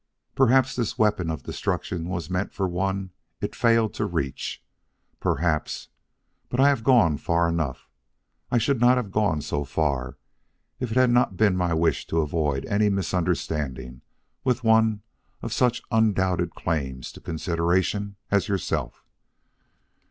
Perhaps this weapon of destruction was meant for one it failed to reach. Perhaps but I have gone far enough. I should not have gone so far if it had not been my wish to avoid any misunderstanding with one of such undoubted claims to consideration as yourself.